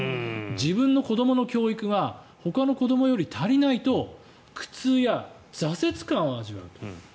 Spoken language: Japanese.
自分の子どもの教育がほかの子どもより足りないと苦痛や挫折感を味わうと。